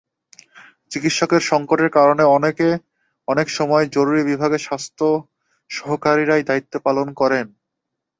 চিকিৎসকের সংকটের কারণে অনেক সময় জরুরি বিভাগে স্বাস্থ্য সহকারীরাই দায়িত্ব পালন করেন।